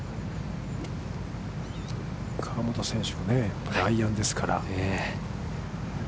河本選手もね、アイアンですから。